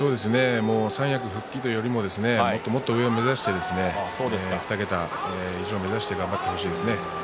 三役復帰というよりももっともっと上を目指して２桁以上を目指して頑張ってほしいですね。